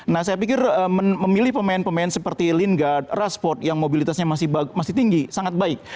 nah saya pikir memilih pemain pemain seperti lingard rashboard yang mobilitasnya masih tinggi sangat baik